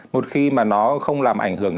một khi mà nó không làm ảnh hưởng